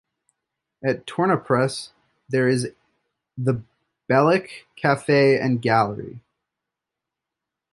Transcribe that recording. At Tornapress there is the "Bealach Cafe and Gallery".